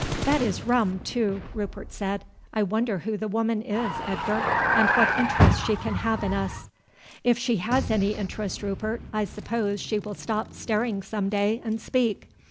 "That is rum, too," Rupert said. "I wonder who the woman is, Edgar, and what interest she can have in us." "If she has any interest, Rupert, I suppose she will stop staring some day and speak.